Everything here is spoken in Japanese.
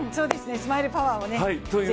スマイルパワーをね、ぜひ。